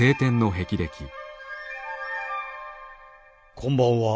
こんばんは。